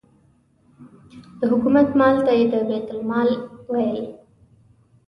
د حکومت مال ته یې د بیت المال مال ویل.